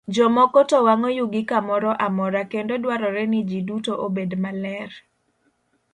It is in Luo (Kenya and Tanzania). Jomoko to wang'o yugi kamoro amora, kendo dwarore ni ji duto obed maler.